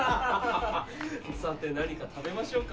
さて何か食べましょうか。